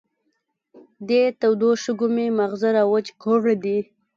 دې تودو شګو مې ماغزه را وچ کړې دي.